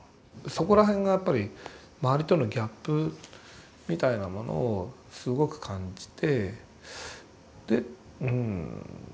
そこら辺がやっぱり周りとのギャップみたいなものをすごく感じてでうん。